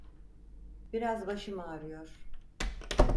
Biraz başım ağrıyor.